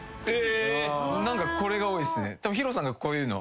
何かこれが多いっすね。